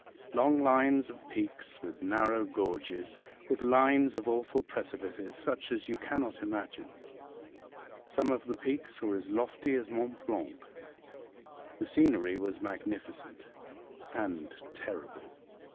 Long lines of peaks with narrow gorges, with lines of awful precipices, such as you cannot imagine. Some of the peaks were as lofty as Mont Blanc. The scenery was magnificent and terrible.